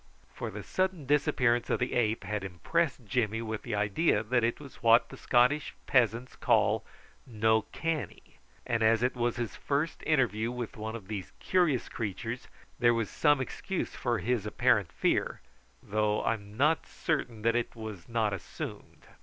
For the sudden disappearance of the ape had impressed Jimmy with the idea that it was what the Scottish peasants call "no canny," and as it was his first interview with one of these curious creatures, there was some excuse for his apparent fear, though I am not certain that it was not assumed.